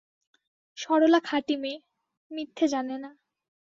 সরলা খাঁটি মেয়ে, মিথ্যে জানে না।